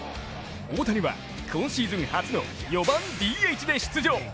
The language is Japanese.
大谷は今シーズン初の４番ＤＨで出場。